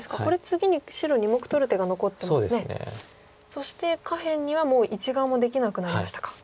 そして下辺にはもう１眼もできなくなりましたか。